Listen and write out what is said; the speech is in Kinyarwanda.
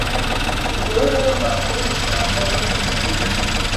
umururumba, kuba igisambo, no kwikubira.